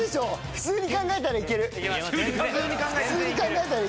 普通に考えたらいけんの。